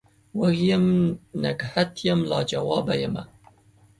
وږم یم نګهت یم لا جواب یمه